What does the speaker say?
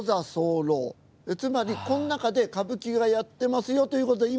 つまり、この中で歌舞伎がやってますよということを。